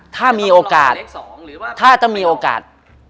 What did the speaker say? ถ้ามีโอกาสถ้าจะมีโอกาส